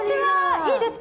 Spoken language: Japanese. いいですか？